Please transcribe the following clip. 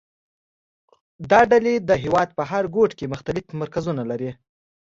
دا ډلې د هېواد په هر ګوټ کې مختلف مرکزونه لري